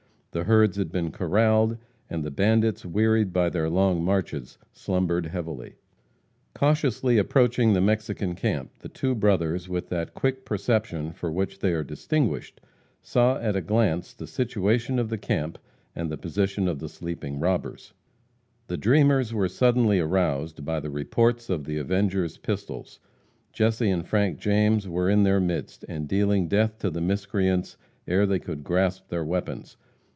The herds had been corraled, and the bandits, wearied by their long marches, slumbered heavily. [Illustration: After the "Greasers."] Cautiously approaching the Mexican camp, the two brothers, with that quick perception for which they are distinguished, saw at a glance the situation of the camp and the position of the sleeping robbers. The dreamers were suddenly aroused by the reports of the avengers' pistols. Jesse and Frank James were in their midst, and dealing death to the miscreants ere they could grasp their weapons.